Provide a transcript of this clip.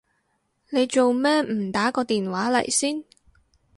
你做咩唔打個電話嚟先？